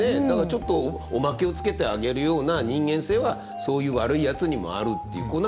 だからちょっとおまけをつけてあげるような人間性はそういう悪いやつにもあるっていう。